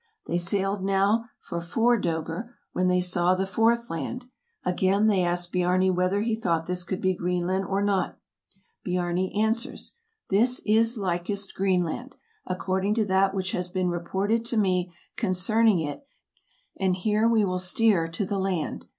They sailed now for four "dcegr," when they saw the fourth land. Again they asked Biarni whether he thought this could be Green land or not. Biarni answers, "This is likest Greenland, according to that which has been reported to me concerning it, and here we will steer to the land.